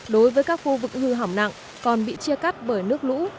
đối với các khu vực hư hỏng nặng còn bị chia cắt bởi nước lũ